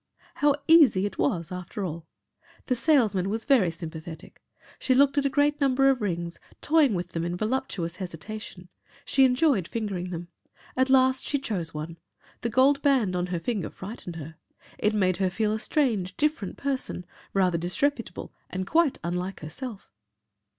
How easy it was after all. The salesman was very sympathetic. She looked at a great number of rings, toying with them in voluptuous hesitation. She enjoyed fingering them. At last she chose one. The gold band on her finger frightened her. It made her feel a strange, different person, rather disreputable and quite unlike herself.